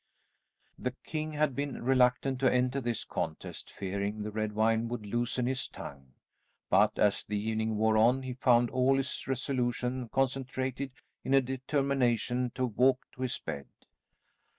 The king had been reluctant to enter this contest, fearing the red wine would loosen his tongue, but as the evening wore on he found all his resolution concentrated in a determination to walk to his bed.